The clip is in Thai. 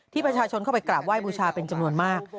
ประชาชนเข้าไปกราบไห้บูชาเป็นจำนวนมาก